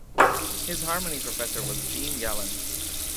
His harmony professor was Jean Gallon.